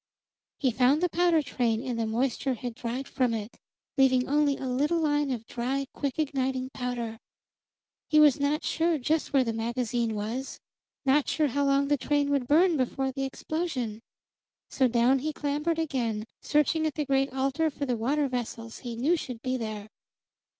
He found the powder train, and the moisture had dried from it, leaving only a little line of dry, quick igniting powder. He was not sure just where the magazine was; not sure how long the train would burn before the explosion. So down he clambered again, searching at the great altar for the water vessels he knew should be there.